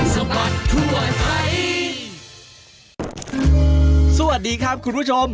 สวัสดีครับคุณผู้ชม